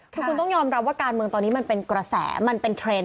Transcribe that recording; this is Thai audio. คือคุณต้องยอมรับว่าการเมืองตอนนี้มันเป็นกระแสมันเป็นเทรนด